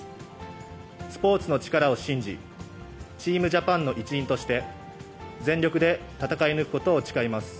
スポーツの力を信じ、チームジャパンの一員として全力で戦い抜くことを誓います。